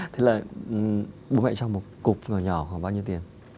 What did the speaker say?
thế là bố mẹ cho một cục ngồi nhỏ khoảng bao nhiêu tiền